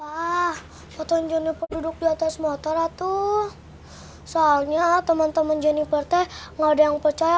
ah fotonya berduduk di atas motor atuh soalnya teman teman jenifer teh nggak ada yang percaya